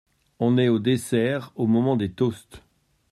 On est au dessert, au moment des toasts.